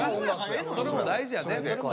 それも大事やで。